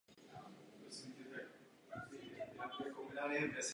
Hlavní památkou Cserszegtomaje je chráněná přírodní oblast Fontánová jeskyně.